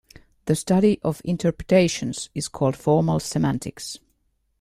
The study of interpretations is called Formal semantics.